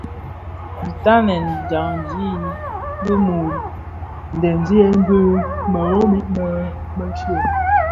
Dhi ntanen dyandi di nud ndhemziyèn bi mëwoni më mëshyom.